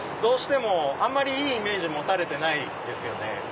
あんまりいいイメージ持たれてないですよね。